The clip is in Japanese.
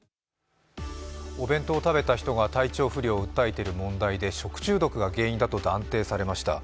お弁当を食べた人が体調不良を訴えている問題で食中毒が原因だと断定されました。